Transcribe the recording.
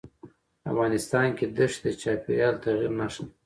افغانستان کې دښتې د چاپېریال د تغیر نښه ده.